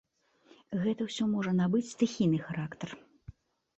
Гэта ўсё можа набыць стыхійны характар.